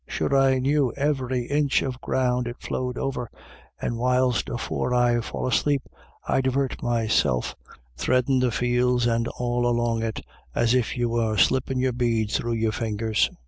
Sure I knew ivery inch of ground it flowed over, and whiles afore I'd fall asleep, I'd divart meself 264 IRISH ID YLLS. threadin' the fields and all along it, as if you were slippin' your beads thro' your fingers.